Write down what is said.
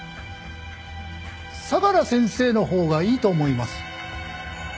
相良先生のほうがいいと思います。